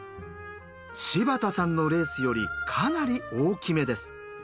柴田さんのレースよりかなり大きめです。